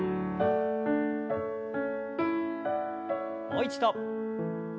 もう一度。